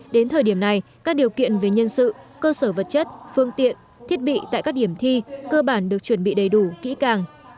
đến thời điểm này các điều kiện về nhân sự cơ sở vật chất phương tiện thiết bị tại các điểm thi cơ bản được chuẩn bị đầy đủ kỹ càng